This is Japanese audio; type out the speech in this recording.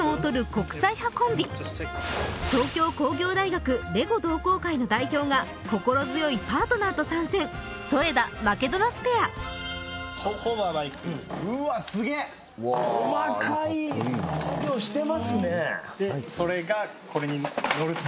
国際派コンビ東京工業大学レゴ同好会の代表が心強いパートナーと参戦添田・マケドナスペア・うわっすげえ・細かい作業してますね